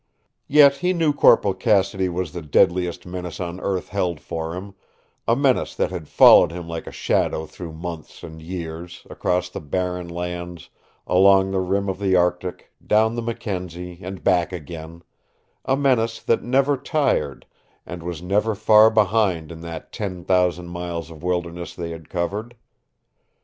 Yet he knew Corporal Cassidy was the deadliest menace the earth held for him, a menace that had followed him like a shadow through months and years across the Barren Lands, along the rim of the Arctic, down the Mackenzie, and back again a menace that never tired, and was never far behind in that ten thousand miles of wilderness they had covered.